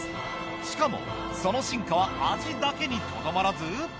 しかもその進化は味だけにとどまらず。